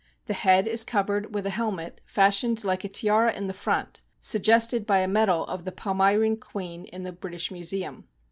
The head is covered with a hel met, fashioned like a tiara in front, sug gested by a medal of the Palmyrene Queen in the British Museum.